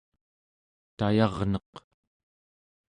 tayarneq